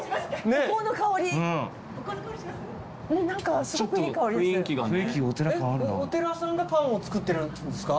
えっお寺さんがパンを作ってるんですか？